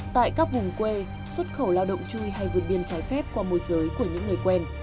tại các vùng quê xuất khẩu lao động chui hay vượt biên trái phép qua môi giới của những người quen